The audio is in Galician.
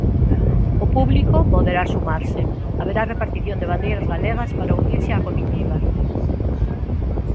O público poderá sumarse: haberá repartición de bandeiras galegas para unirse á comitiva.